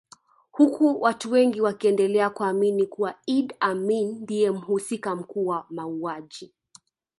Huku watu wengi wakiendelea kuamini kuwa Idi Amin ndiye mhusika mkuu kwa mauaji